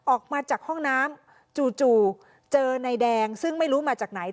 ออกมาจากห้องน้ำจู่เจอนายแดงซึ่งไม่รู้มาจากไหน